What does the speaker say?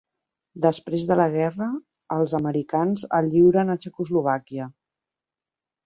Després de la guerra, els americans el lliuren a Txecoslovàquia.